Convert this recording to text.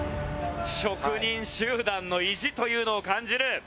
職人集団の意地というのを感じる。